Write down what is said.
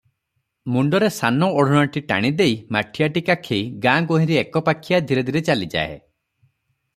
ମୁଣ୍ଡରେ ସାନ ଓଢଣାଟି ଟାଣି ଦେଇ, ମାଠିଆଟି କାଖେଇ ଗାଁ ଗୋହରୀ ଏକପାଖିଆ ଧିରେ ଧିରେ ଚାଲିଯାଏ ।